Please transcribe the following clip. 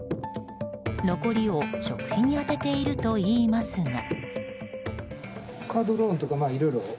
残りを食費に充てているといいますが。